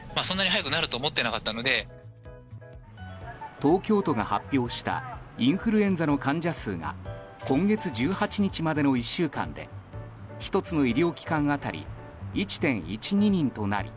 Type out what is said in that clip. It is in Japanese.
東京都が発表したインフルエンザの患者数が今月１８日までの１週間で１つの医療機関当たり１．１２人となり